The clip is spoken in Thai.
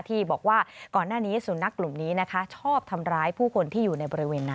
ที่บอกว่าก่อนหน้านี้สุนัขกลุ่มนี้นะคะชอบทำร้ายผู้คนที่อยู่ในบริเวณนั้น